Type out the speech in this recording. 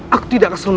kau tidak perlu selesai